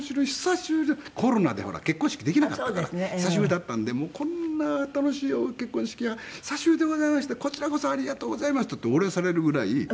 コロナで結婚式できなかったから久しぶりだったんで「こんな楽しい結婚式は久しぶりでございましてこちらこそありがとうございます」ってお礼されるぐらい面白い。